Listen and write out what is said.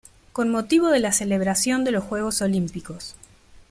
Con motivo de la celebración de los juegos olímpicos.